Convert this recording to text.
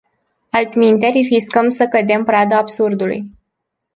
Altminteri, riscăm să cădem pradă absurdului.